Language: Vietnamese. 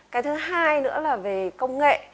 cái thứ hai nữa là về công nghệ